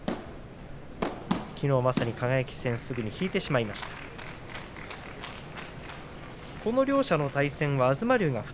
きのうまさに輝戦すぐ引いてしまいました、東龍です。